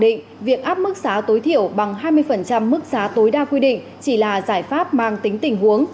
định việc áp mức giá tối thiểu bằng hai mươi mức giá tối đa quy định chỉ là giải pháp mang tính tình huống